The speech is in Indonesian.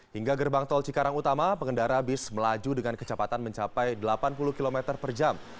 hingga gerbang tol cikarang utama pengendara bis melaju dengan kecepatan mencapai delapan puluh km per jam